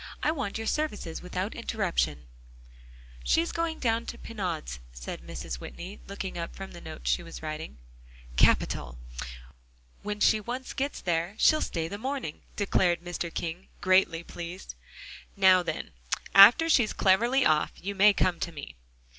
I want your services without interruption." "She's going down to Pinaud's," said Mrs. Whitney, looking up from the note she was writing. "Capital! when she once gets there, she'll stay the morning," declared Mr. King, greatly pleased. "Now, then, after she's cleverly off, you may come to me."